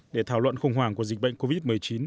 để thảo luận khủng hoảng của dịch bệnh covid một mươi chín